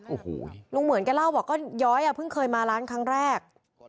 โอ้โหลุงเหมือนแกเล่าบอกก็ย้อยอ่ะเพิ่งเคยมาร้านครั้งแรก